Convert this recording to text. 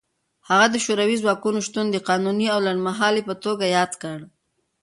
هغه د شوروي ځواکونو شتون د قانوني او لنډمهاله په توګه یاد کړ.